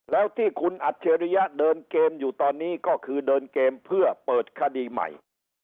แล้วที่คุณอัจฉริยะเดินเกมอยู่ตอนนี้ก็คือเดินเกมเพื่อเปิดคดีใหม่